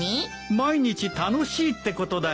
毎日楽しいってことだよ。